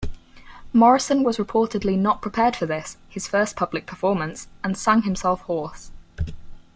Morrison was reportedly not prepared for this-his first public performance-and sang himself hoarse.